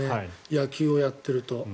野球をやっていると。